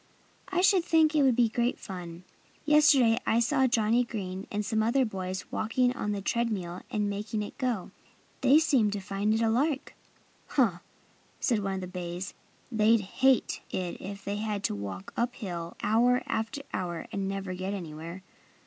I should think it would be great fun. Yesterday I saw Johnnie Green and some other boys walking on the tread mill and making it go. They seemed to find it a lark." "Huh!" said one of the bays. "They'd hate it if they had to walk up hill hour after hour and never get anywhere.